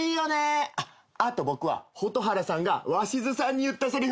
あと僕は蛍原さんが鷲津さんに言ったせりふ。